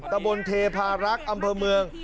ตะบนเทพารักษ์อำเภอเมือง